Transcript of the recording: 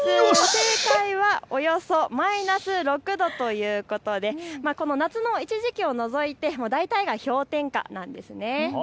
正解はおよそマイナス６度ということで夏の一時期を除いて大体が氷点下なんです。